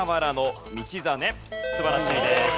素晴らしいです。